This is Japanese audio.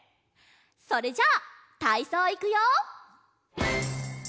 それじゃたいそういくよ！